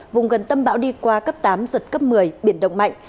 vùng gần tâm bão đi qua cấp tám giật cấp một mươi biển động mạnh